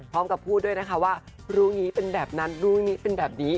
พร้อมกับพูดด้วยนะคะว่ารู้อย่างนี้เป็นแบบนั้นรู้อย่างนี้เป็นแบบนี้